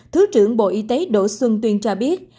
thứ trưởng bộ y tế đỗ xuân tuyên cho biết